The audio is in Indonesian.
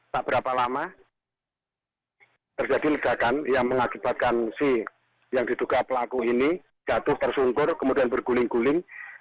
tak berapa lama terjadi ledakan yang mengakibatkan si yang diduga pelaku ini jatuh tersungkur kemudian berguling guling